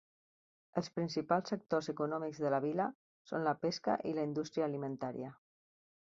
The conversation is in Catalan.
Els principals sectors econòmics de la vila són la pesca i la indústria alimentària.